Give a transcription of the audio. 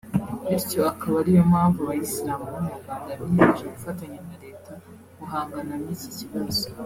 bityo akaba ariyo mpamvu abayisilamu bo mu Rwanda biyemeje gufatanya na Leta guhangana n’iki kibazo